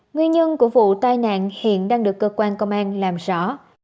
nguyên nhân của vụ tai nạn hiện đang được cơ quan công an làm rõ